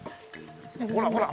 ほらほら！